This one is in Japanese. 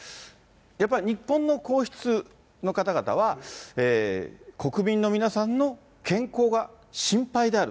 やっぱり日本の皇室の方々は、国民の皆さんの健康が心配である。